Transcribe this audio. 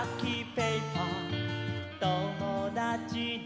ペーパーともだちで」